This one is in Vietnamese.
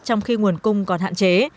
trong khi nguồn cung còn hạn chế